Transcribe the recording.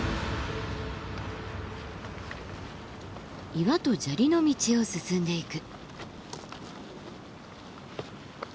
岩と砂利の道を進んでいく。